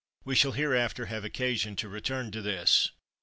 We shall hereafter have occasion to return to this.